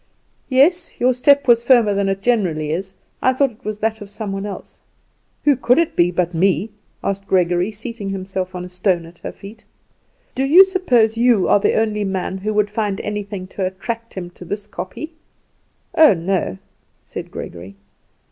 "Yes; your step was firmer than it generally is. I thought it was that of some one else." "Who could it be but me?" asked Gregory, seating himself on a stone at her feet. "Do you suppose you are the only man who would find anything to attract him to this kopje?" "Oh, no," said Gregory.